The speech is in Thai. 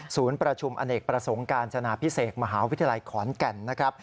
ประชุมอเนกประสงค์การจนาพิเศษมหาวิทยาลัยขอนแก่นนะครับ